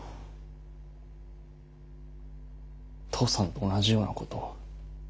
父さんと同じようなことを。